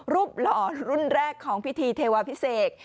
หล่อรุ่นแรกของพิธีเทวาพิเศษ